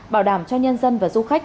bảo đảm cho nhân dân và du khách